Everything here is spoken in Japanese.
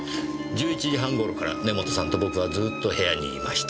１１時半頃から根元さんと僕はずっと部屋にいました。